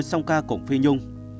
song ca cùng phi nhung